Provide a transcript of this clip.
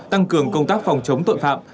tăng cường công tác phòng chống tội phạm